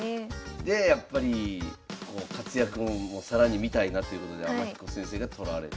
でやっぱり活躍も更に見たいなということで天彦先生が取られて。